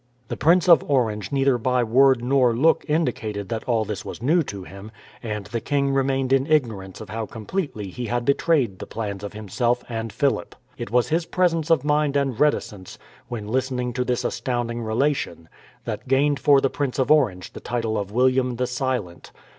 The Prince of Orange neither by word or look indicated that all this was new to him, and the king remained in ignorance of how completely he had betrayed the plans of himself and Philip. It was his presence of mind and reticence, while listening to this astounding relation, that gained for the Prince of Orange the title of William the Silent.